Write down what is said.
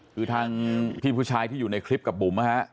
คือทางพี่ผู้ชายที่อยู่ในคลิปกับบุ๋มนะฮะ